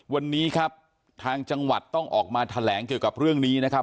วันนี้ครับทางจังหวัดต้องออกมาแถลงเกี่ยวกับเรื่องนี้นะครับ